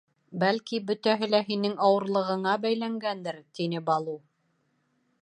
— Бәлки, бөтәһе лә һинең ауырлығыңа бәйләнгәндер, — тине Балу.